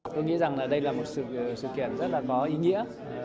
tôi nghĩ rằng là đây là một sự kiện rất là có ý nghĩa